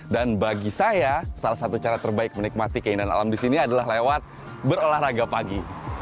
dan bagi saya salah satu cara terbaik menikmati keindahan alam disini adalah lewat berolahraga pagi